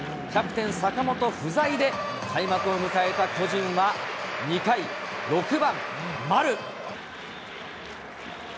キャプテン、坂本不在で開幕を迎えた巨人は２回、６番丸。